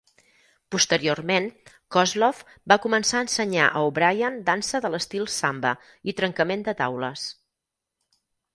Posteriorment, Kozlov va començar a ensenyar a O'Brian dansa de l'estil samba i trencament de taules.